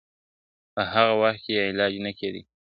په هغه وخت کی یې علاج نه کېدی !.